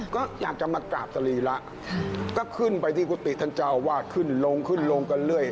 ก็อยากจะมากราบสรีระก็ขึ้นไปที่กุฏิท่านเจ้าวาดขึ้นลงขึ้นลงกันเรื่อย